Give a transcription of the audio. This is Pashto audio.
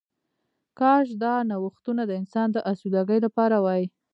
کاش دا نوښتونه د انسان د آسوده ګۍ لپاره وای